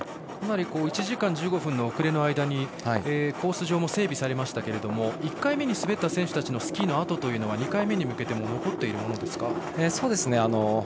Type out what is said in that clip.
かなり１時間１５分の遅れの間にコース上も整備されましたが１回目に滑った選手たちのスキーの跡は２回目に向けても残っているものですか？